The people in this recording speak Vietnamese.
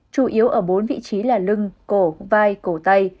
chủ yếu ở bốn vị trí là lưng cổ vai cổ tay